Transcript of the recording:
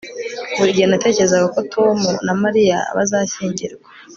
buri gihe natekerezaga ko tom na mariya bazashyingirwa